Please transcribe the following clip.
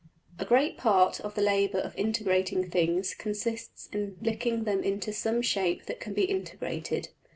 } A great part of the labour of integrating things consists in licking them into some shape that can be integrated.